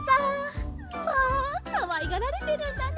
まあかわいがられてるんだね。